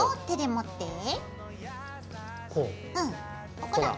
ここだ。